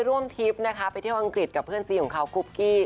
ทริปนะคะไปเที่ยวอังกฤษกับเพื่อนซีของเขากุ๊กกี้